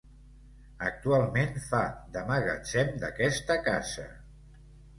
Actualment fa de magatzem d'aquesta casa.